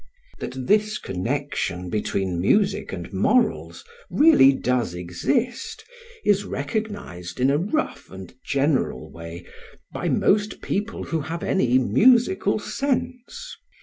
That this connection between music and morals really does exist is recognised, in a rough and general way, by most people who have any musical sense.